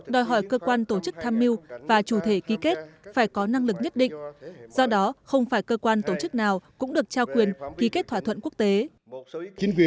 đòi hỏi cơ quan tổ chức tham mưu và chủ thể ký kết phải có năng lực nhất định do đó không phải cơ quan tổ chức nào cũng được trao quyền ký kết thỏa thuận quốc tế